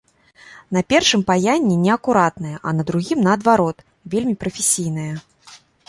На першым паянне неакуратнае, а на другім, наадварот, вельмі прафесійнае.